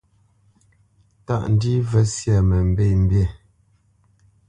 Tâʼ ndî və syâ mə mbê mbî.